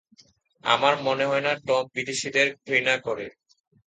আমার মনে হয় না টম বিদেশীদের ঘৃণা করে।